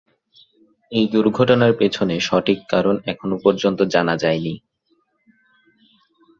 এই দুর্ঘটনার পিছনে সঠিক কারণ এখনো পর্যন্ত জানা যায়নি।